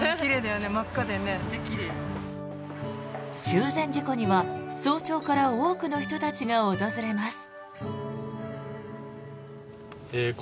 中禅寺湖には早朝から多くの人たちが訪れます。